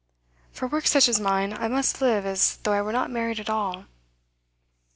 For work such as mine, I must live as though I were not married at all.